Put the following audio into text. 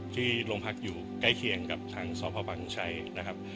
ที่โรงพักอยู่ใกล้เคียงกับทางสพบังชัยนะครับ